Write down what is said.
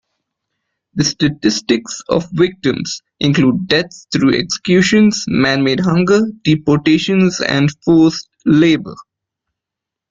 The statistics of victims include deaths through executions, man-made hunger, deportations, and forced labor.